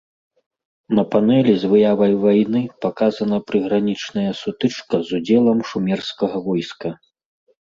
На панэлі з выявай вайны паказана прыгранічная сутычка з удзелам шумерскага войска.